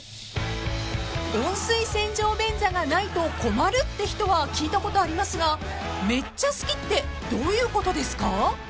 ［温水洗浄便座がないと困るって人は聞いたことありますがめっちゃ好きってどういうことですか？］